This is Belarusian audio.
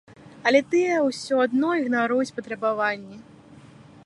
Але тыя ўсё адно ігнаруюць патрабаванні.